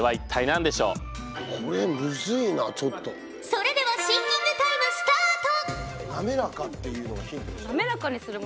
それではシンキングタイムスタート！